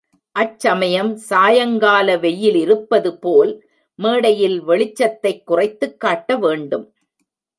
அச்சமயம் சாயங்கால வெயிலிருப்பதுபோல், மேடையில் வெளிச் சத்தைக் குறைத்துக் காட்ட வேண்டும்.